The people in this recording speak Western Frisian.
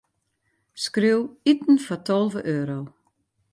Skriuw: iten foar tolve euro.